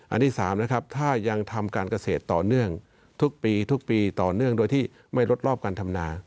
ที่๓นะครับถ้ายังทำการเกษตรต่อเนื่องทุกปีทุกปีต่อเนื่องโดยที่ไม่ลดรอบการทำนา